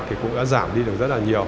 thì cũng đã giảm đi được rất là nhiều